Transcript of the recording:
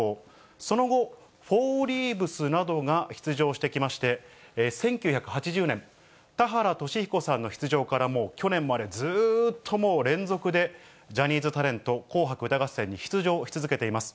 その後、フォーリーブスなどが出場してきまして、１９８０年、田原俊彦さんの出場から、もう去年までずっと連続でジャニーズタレント、紅白歌合戦に出場し続けています。